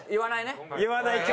言わないね。